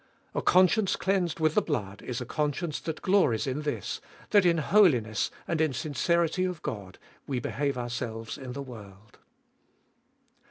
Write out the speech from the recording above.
A conscience cleansed with the blood is a conscience that glories in this, that in holiness and In sincerity of God we behave ourselves in the world.